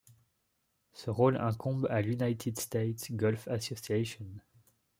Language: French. Ce rôle incombe à l'United States Golf Association.